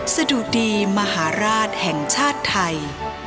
สะดุดีมหาราชแห่งชาติไทย